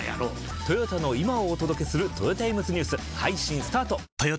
トヨタの今をお届けするトヨタイムズニュース配信スタート！！！